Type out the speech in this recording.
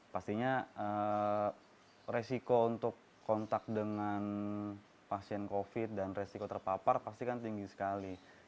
pastinya resiko untuk kontak dengan pasien covid dan resiko terpapar pasti kan tinggi sekali